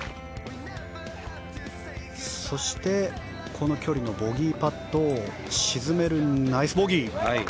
そしてこの距離のボギーパットを沈めるナイスボギー。